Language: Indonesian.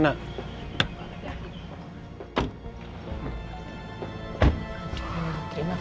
cuma krimnya enak